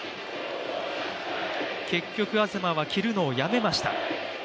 結局、東は着るのをやめました。